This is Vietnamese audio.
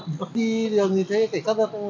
khi đi đường thì thấy